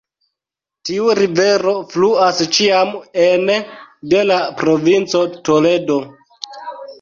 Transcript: Tiu rivero fluas ĉiam ene de la provinco Toledo.